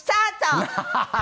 アハハハ！